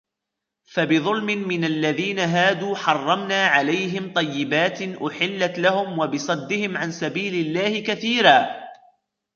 فَبِظُلْمٍ مِنَ الَّذِينَ هَادُوا حَرَّمْنَا عَلَيْهِمْ طَيِّبَاتٍ أُحِلَّتْ لَهُمْ وَبِصَدِّهِمْ عَنْ سَبِيلِ اللَّهِ كَثِيرًا